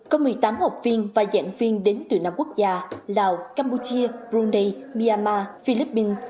có một mươi tám học viên và giảng viên đến từ năm quốc gia lào campuchia brunei myanmar philippines